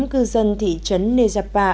cư dân thị trấn nezapa